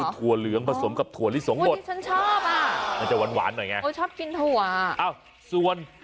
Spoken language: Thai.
ถั่วเหลืองไหม